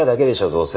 どうせ。